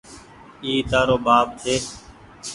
اي تآرو ٻآپ ڇي۔